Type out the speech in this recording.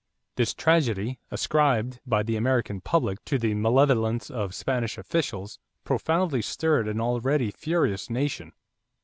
This tragedy, ascribed by the American public to the malevolence of Spanish officials, profoundly stirred an already furious nation.